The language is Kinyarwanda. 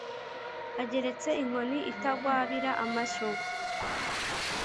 ageretse inkoni itagwabira amashyo